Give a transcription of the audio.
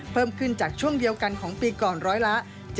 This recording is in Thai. เพิ่มขึ้นจากช่วงเดียวกันของปีก่อนร้อยละ๗๐